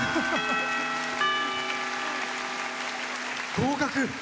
合格！